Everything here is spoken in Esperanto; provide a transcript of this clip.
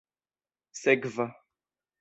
sekva